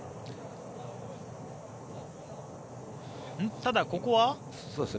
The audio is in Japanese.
ただ、ここは。